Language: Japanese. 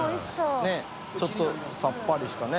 きむ）ねぇちょっとさっぱりしたね。